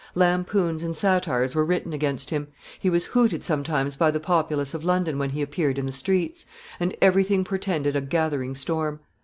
Lampoons and satires were written against him; he was hooted sometimes by the populace of London when he appeared in the streets, and every thing portended a gathering storm.